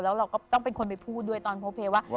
แล้วเราก็ต้องเป็นคนไปพูดด้วยตอนโพเพย์ว่า